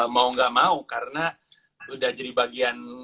mau nggak mau karena udah jadi bagian